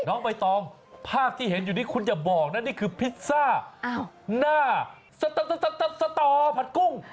น้องใบตองภาพที่เห็นอยู่นี้คุณอย่าบอกนะนี่คือพิซซ่าหน้าสตับสตอผัดกุ้ง